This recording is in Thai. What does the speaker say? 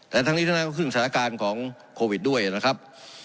แต่ทั้งนี้ทั้งนั้นก็คือสถานการณ์ของโควิดด้วยนะครับ